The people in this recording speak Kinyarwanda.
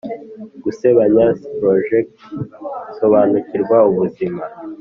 Gusebanya siproject sobanukirwa ubuzima